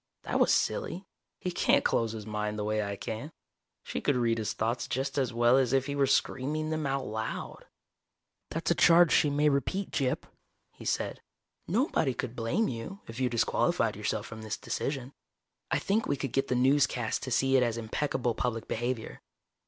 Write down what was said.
That was silly. He can't close his mind the way I can. She could read his thoughts just as well as if he were screaming them out loud. "That's a charge she may repeat, Gyp," he said. "Nobody could blame you, if you disqualified yourself from this decision. I think we could get the newscasts to see it as impeccable public behavior.